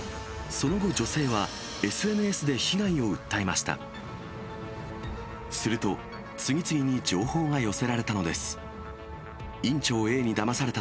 その後、女性はＳＮＳで被害を訴えました。